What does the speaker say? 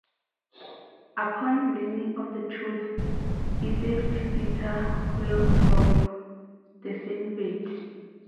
Upon learning of the truth, he saved Peter Quill from the same fate.